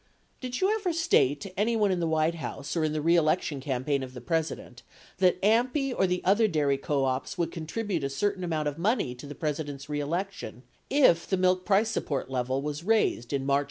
Did you ever state to anyone in the White House or in the reelection campaign of the President, that AMPI or the other dairy co ops would contribute a certain amount of money to the President's reelection, if the milk price support level was raised in March 1971